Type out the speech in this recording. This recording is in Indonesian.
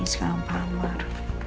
sekarang pak amar